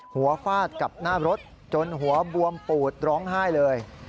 ฟาดกับหน้ารถจนหัวบวมปูดร้องไห้เลย